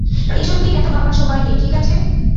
এসব নিয়ে এতো ভাবার সময় নেই, ঠিক আছে?